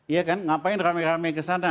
iya kan ngapain rame rame ke sana